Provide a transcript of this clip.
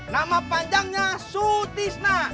nama panjangnya su tisna